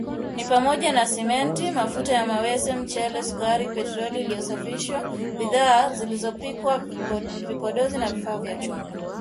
ni pamoja na Simenti, mafuta ya mawese, mchele, sukari, petroli iliyosafishwa, bidhaa zilizopikwa, vipodozi na vifaa vya chuma.